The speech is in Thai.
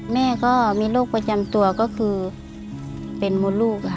แม่ก็มีลูกประจำตัวก็คือเป็นมูลลูกครับ